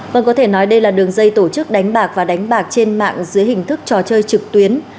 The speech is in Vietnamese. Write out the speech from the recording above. đây là đường dây tổ chức đánh bạc và đánh bạc trên mạng dưới hình thức trò chơi trực tuyến